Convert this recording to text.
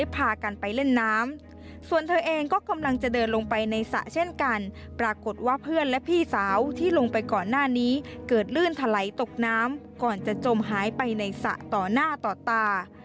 ปรากฏว่าเพื่อนและพี่สาวที่ลงไปก่อนหน้านี้เกิดลื่นทะไหลตกน้ำก่อนจะจมหายไปในสระต่อหน้าต่อตา